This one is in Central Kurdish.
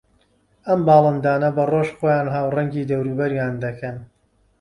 ئەم باڵندانە بە ڕۆژ خۆیان ھاوڕەنگی دەوروبەریان دەکەن